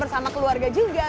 bersama keluarga juga begitu ya